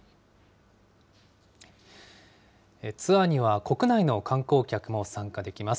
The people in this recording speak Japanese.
ツアーには国内の観光客も参加できます。